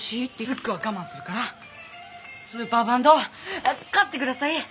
ズックは我慢するからスーパーバンドを買ってください！